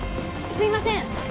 すいません